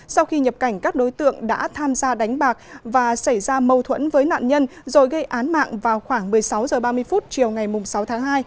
sau khi nhập cảnh các đối tượng đã tham gia đánh bạc và xảy ra mâu thuẫn với nạn nhân rồi gây án mạng vào khoảng một mươi sáu h ba mươi chiều ngày sáu tháng hai